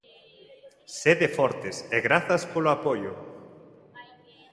Sede fortes e grazas polo apoio.